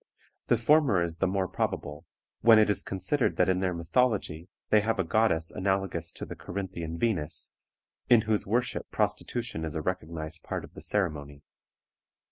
The former is the more probable, when it is considered that in their mythology they have a goddess analogous to the Corinthian Venus, in whose worship prostitution is a recognized part of the ceremony.